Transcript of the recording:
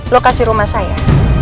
lokasi rumah saya